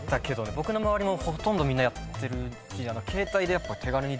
僕の周りもほとんどみんなやってるし。